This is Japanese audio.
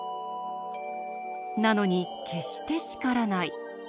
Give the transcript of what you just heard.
なのに決して叱らない。